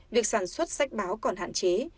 việc sản xuất sách báo còn hạn chế